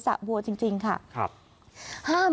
อยู่ในสระบัวจริงฮะ